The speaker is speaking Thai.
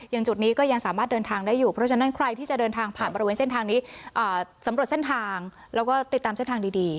จุดนี้ก็ยังสามารถเดินทางได้อยู่เพราะฉะนั้นใครที่จะเดินทางผ่านบริเวณเส้นทางนี้สำรวจเส้นทางแล้วก็ติดตามเส้นทางดี